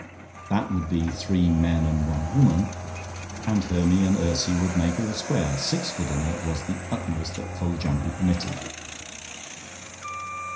That would be three men and one woman, and Hermy and Ursy would make all square. Six for dinner was the utmost that Foljambe permitted.